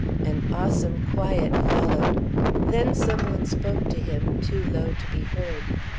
An awesome quiet followed. Then some one spoke to him, too low to be heard.